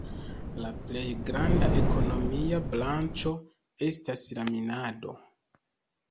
La plej granda ekonomia branĉo estas la minado.